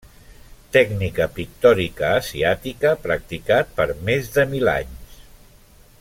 Tècnica pictòrica asiàtica, practicat per més de mil anys.